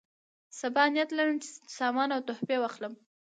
سبا نیت لرم چې سامان او تحفې واخلم.